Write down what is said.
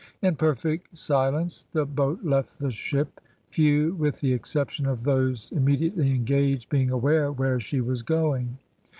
In perfect silence the boat left the ship, few, with the exception of those immediately engaged, being aware where she was going.